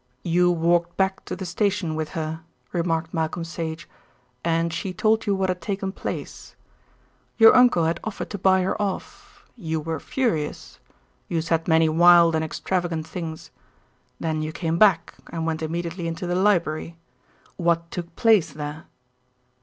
"You walked back to the station with her," remarked Malcolm Sage, "and she told you what had taken place. Your uncle had offered to buy her off. You were furious. You said many wild and extravagant things. Then you came back and went immediately into the library. What took place there?"